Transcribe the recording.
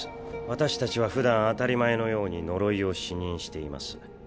私たちはふだん当たり前のように呪いを視認しています。